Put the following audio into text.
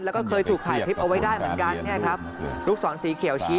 แล้วก็เคยถูกถ่ายคลิปเอาไว้ได้เหมือนกันเนี่ยครับลูกศรสีเขียวชี้